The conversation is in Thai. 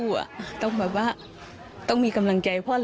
เนื่องจากนี้ไปก็คงจะต้องเข้มแข็งเป็นเสาหลักให้กับทุกคนในครอบครัว